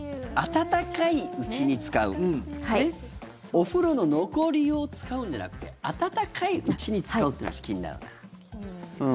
お風呂の残り湯を使うんじゃなくて温かいうちに使うというのが気になるな。